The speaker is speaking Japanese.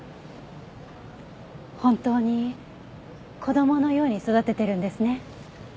本当に子供のように育ててるんですね。